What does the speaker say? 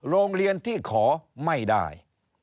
โรงเรียนที่ขอไม่ได้